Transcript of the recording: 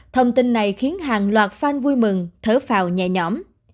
thông tin này khiến hàng loạt fan vui mừng thở vào nhẹ nhõm